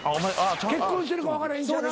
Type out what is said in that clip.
結婚してるか分からへんしやな。